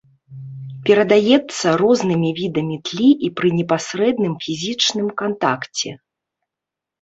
Перадаецца рознымі відамі тлі і пры непасрэдным фізічным кантакце.